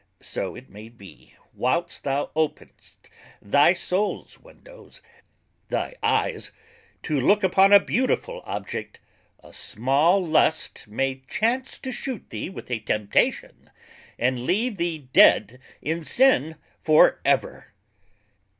So, it may be, whilest thou openest thy Souls windows, thy Eyes, to look upon a beautiful Object, a small Lust may chance to shoot thee with a temptation, and leave thee dead in sin for ever.